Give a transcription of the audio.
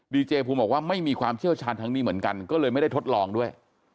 เจภูมิบอกว่าไม่มีความเชี่ยวชาญทั้งนี้เหมือนกันก็เลยไม่ได้ทดลองด้วย